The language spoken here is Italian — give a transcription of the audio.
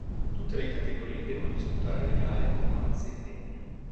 Tutte la categorie devono disputare le gare con mazze in legno.